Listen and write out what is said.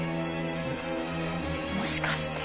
もしかして。